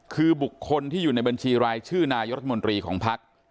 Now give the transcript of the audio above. คือบุคคลที่อยู่ในบัญชีรายชื่อนายรัฐมนตรีของภักดิ์